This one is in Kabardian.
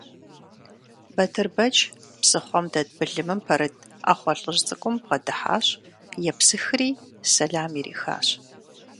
Батырбэч псыхъуэм дэт былымым пэрыт Ӏэхъуэ лӀыжь цӀыкӀум бгъэдыхьэщ, епсыхри сэлам ирихащ.